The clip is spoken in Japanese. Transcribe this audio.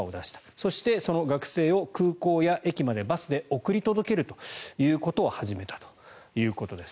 そして、その学生を空港や駅までバスで送り届けるということを始めたということです。